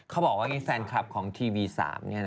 เขาว่าแฟนคลับของทีวี๓เนี่ย